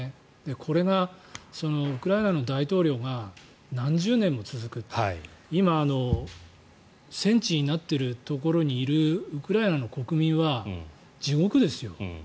これがウクライナの大統領が何十年も続く今、戦地になっているところにいるウクライナの国民は地獄ですよ。